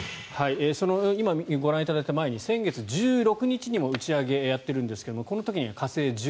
今ご覧いただいたものの前に先月１６日にも打ち上げているんですがこの時には火星１７。